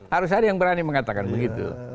harus ada yang berani mengatakan begitu